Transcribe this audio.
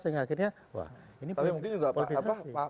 sehingga akhirnya wah ini politiknya sih